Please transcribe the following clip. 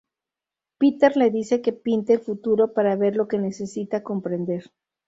Peter le dice que pinte el futuro para ver lo que necesita comprender.